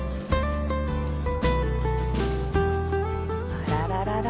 あらららら。